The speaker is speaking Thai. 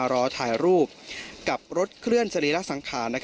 รอถ่ายรูปกับรถเคลื่อนสรีระสังขาร